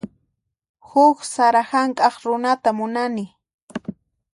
Huk sara hank'aq runata munani.